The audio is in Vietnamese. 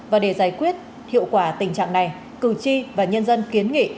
và để giải quyết hiệu quả tình trạng này cựu chi và nhân dân kiến nghị